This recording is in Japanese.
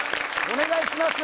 お願いします